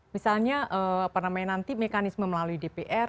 misalnya apa namanya nanti mekanisme melalui dpr